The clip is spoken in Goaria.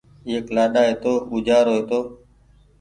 ايڪ لآڏآ هيتو او جآرو هيتو